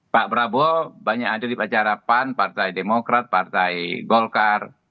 pak prabowo banyak hadir di acara pan partai demokrat partai golkar